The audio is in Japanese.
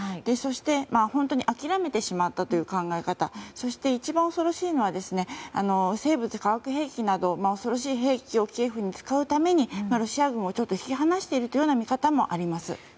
そして、本当に諦めてしまったという考え方そして、一番恐ろしいのは生物・化学兵器などの恐ろしい兵器をキエフに使うためにロシア軍をちょっと引き離しているという見方もあります。